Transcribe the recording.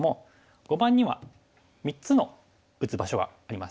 碁盤には３つの打つ場所があります